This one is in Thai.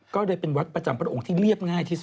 ก็เลยเป็นวัดประจำพระองค์ที่เรียบง่ายที่สุด